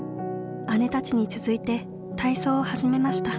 姉たちに続いて体操を始めました。